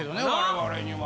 我々には。